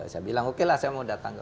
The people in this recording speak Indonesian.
saya bilang okelah saya mau datang